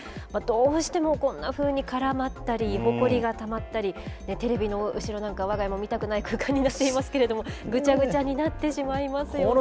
どうしてもこんなふうに絡まったり、ほこりがたまったり、テレビの後ろなんか、わが家なんかも見たくない空間になっていますけれども、ぐちゃぐちゃになってしまいますよね。